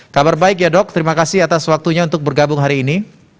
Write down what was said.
kabar baik ya dok terima kasih atas waktunya untuk bergabung hari ini